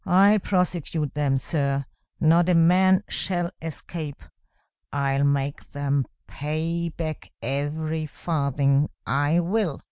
"I'll prosecute them, sir. Not a man shall escape. I'll make them pay back every farthing, I will.